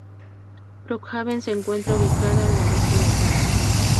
Brookhaven se encuentra ubicada al noreste de Atlanta.